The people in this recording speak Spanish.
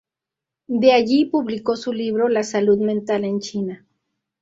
De allí publicó su libro, "La salud mental en China".